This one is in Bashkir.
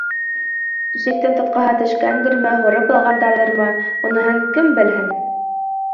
Ишектең тотҡаһы төшкәндерме, һурып алғандарҙырмы, уныһын кем белһен.